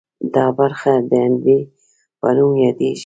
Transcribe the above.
دا برخه د عنبیې په نوم یادیږي.